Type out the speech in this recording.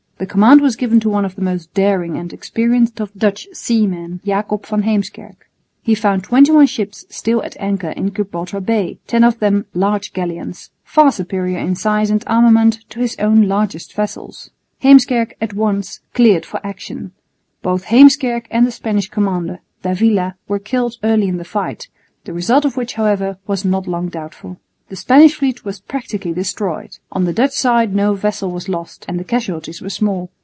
The command was given to one of the most daring and experienced of Dutch seamen, Jacob van Heemskerk. He found twenty one ships still at anchor in Gibraltar Bay, ten of them large galleons, far superior in size and armament to his own largest vessels. Heemskerk at once cleared for action. Both Heemskerk and the Spanish commander, d'Avila, were killed early in the fight, the result of which however was not long doubtful. The Spanish fleet was practically destroyed. On the Dutch side no vessel was lost and the casualties were small.